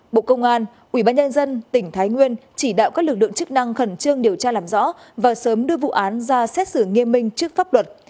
bộ công an ubnd tỉnh thái nguyên chỉ đạo các lực lượng chức năng khẩn trương điều tra làm rõ và sớm đưa vụ án ra xét xử nghiêm minh trước pháp luật